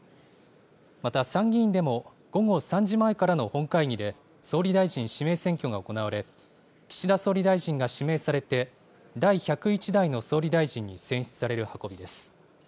また参議院でも午後３時前からの本会議で、総理大臣指名選挙が行われ、岸田総理大臣が指名されて、第１０１代の総理大臣に選出される運びです。